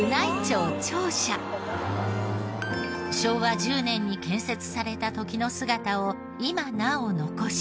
昭和１０年に建設された時の姿を今なお残し。